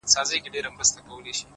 o هسي نه هغه باور،